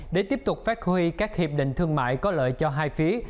để tiếp tục phát huy các hiệp định thương mại có lợi cho hai phía